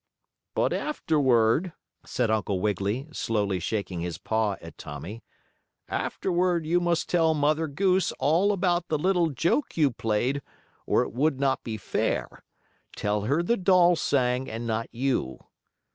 "But afterward," said Uncle Wiggily, slowly shaking his paw at Tommie, "afterward you must tell Mother Goose all about the little joke you played, or it would not be fair. Tell her the doll sang and not you."